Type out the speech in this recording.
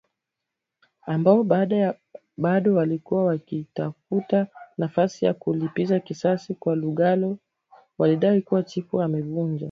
ambao bado walikuwa wakitafuta nafasi ya kulipiza kisasi cha Lugalo walidai kuwa chifu amevunja